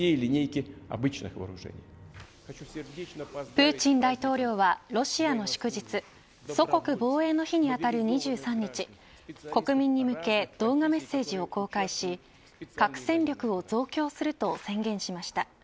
プーチン大統領はロシアの祝日祖国防衛の日にあたる２３日国民に向け動画メッセージを公開し核戦力を増強すると宣言しました。